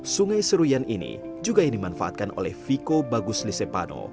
sungai seruyan ini juga yang dimanfaatkan oleh viko bagus lisepano